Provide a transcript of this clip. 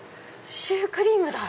シュークリームだ！